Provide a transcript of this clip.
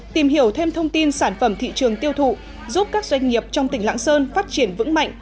tìm hiểu thêm thông tin sản phẩm thị trường tiêu thụ giúp các doanh nghiệp trong tỉnh lạng sơn phát triển vững mạnh